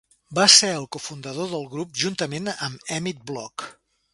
Va ser el cofundador del grup juntament amb Emit Bloch.